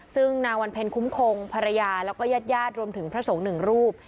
ซึ่งนางวันเพ็ญคุ้มคงภรรยาแล้วก็ญาติญาติรวมถึงพระสงฆ์หนึ่งรูป